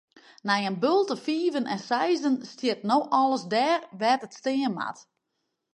Nei in bulte fiven en seizen stiet no alles dêr wêr't it stean moat.